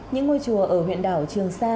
những ngôi chùa ở huyện đảo trường sa